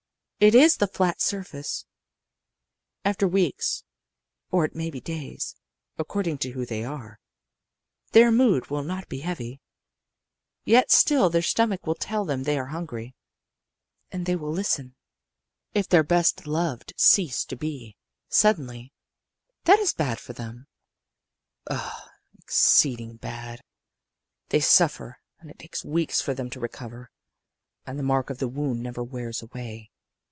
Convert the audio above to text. It is the flat surface. After weeks, or it may be days, according to who they are, their mood will not be heavy yet still their stomach will tell them they are hungry, and they will listen. If their best loved cease to be, suddenly that is bad for them, oh, exceeding bad; they suffer, and it takes weeks for them to recover, and the mark of the wound never wears away.